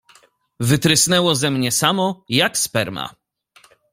Wytrysnęło ze mnie samo, jak sperma.